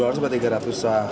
rasanya peserta nya berapa banyak